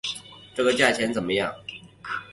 这个价钱怎么样？